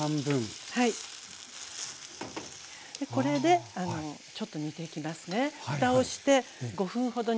これでちょっと煮ていきますね。